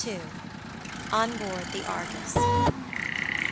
ON BOARD THE ARGUS.